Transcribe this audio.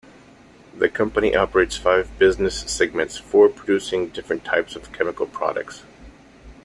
The company operates five business segments, four producing different types of chemical products.